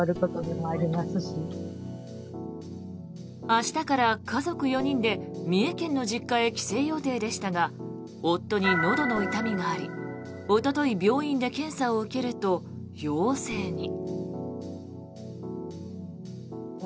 明日から家族４人で三重県の実家へ帰省予定でしたが夫にのどの痛みがありおととい病院で検査を受けると陽性に。